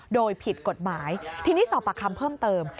โดยผิดกฎหมายทีนี้สอบปากคำเพิ่มเติม